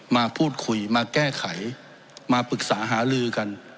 มาพูดคุยมาแก้ไขมาปรึกษาหาลือกัน